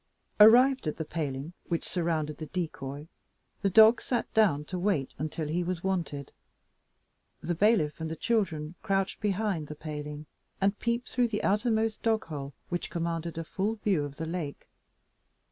Arrived at the paling which surrounded the decoy, the dog sat down to wait until he was wanted. The bailiff and the children crouched behind the paling, and peeped through the outermost dog hole, which commanded a full view of the lake.